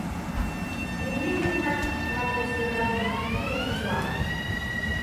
Niemniej jednak pragnę skierować do pani pilne przesłanie